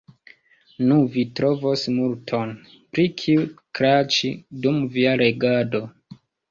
Nu, vi trovos multon, pri kiu klaĉi, dum via legado.